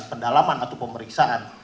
pendalaman atau pemeriksaan